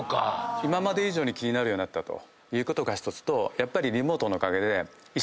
今まで以上に気になるようになったということが１つとやっぱりリモートのおかげで１週間ぐらい休める。